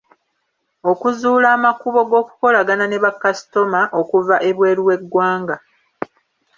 Okuzuula amakubo g’okukolagana ne bakasitoma okuva ebweru w’eggwanga.